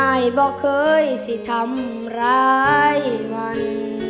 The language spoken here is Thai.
บอกเคยสิทำร้ายวัน